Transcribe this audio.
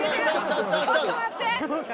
ちょっと待って！